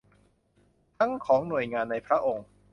ทั้งของหน่วยงานในพระองค์